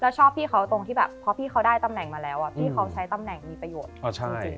แล้วชอบพี่เขาตรงที่แบบพอพี่เขาได้ตำแหน่งมาแล้วอ่ะพี่เขาใช้ตำแหน่งมีประโยชน์